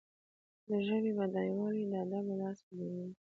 د ژبي بډایوالی د ادب له لارې څرګندیږي.